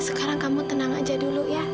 sekarang kamu tenang aja dulu ya